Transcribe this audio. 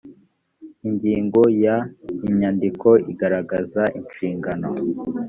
ingingo ya inyandiko igaragaza inshingano